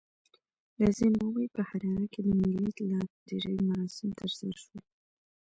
د زیمبابوې په حراره کې د ملي لاټرۍ مراسم ترسره شول.